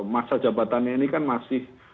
masa jabatannya ini kan masih